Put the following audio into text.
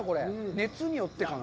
熱によってかな。